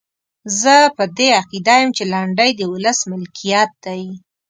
زه په دې عقیده یم چې لنډۍ د ولس ملکیت دی.